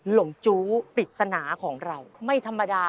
หลงจู้ปริศนาของเราไม่ธรรมดา